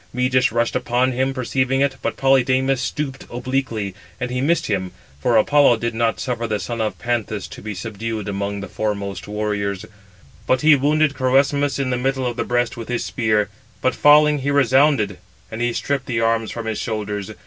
Meges rushed upon him, perceiving it, but Polydamas stooped obliquely, and he missed him; for Apollo did not suffer the son of Panthous to be subdued among the foremost warriors. But he wounded Crœsmus in the middle of the breast with his spear, but falling, he resounded; and he stripped the arms from his shoulders.